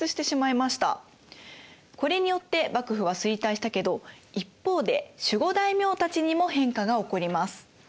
これによって幕府は衰退したけど一方で守護大名たちにも変化が起こります。